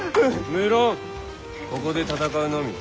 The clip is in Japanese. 無論ここで戦うのみ。